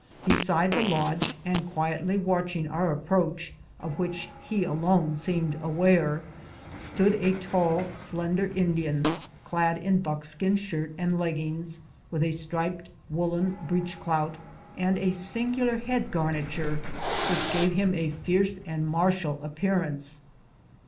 Beside the lodge and quietly watching our ap proach, of which he alone seemed aware, stood a tall, slender Indian clad in buckskin shirt and leggings, with a striped woolen breech clout, and a singular head garniture which gave him a fierce and martial ap pearance.